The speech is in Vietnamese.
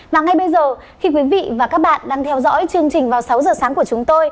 và ngay bây giờ khi quý vị và các bạn đang theo dõi chương trình vào sáu giờ sáng của chúng tôi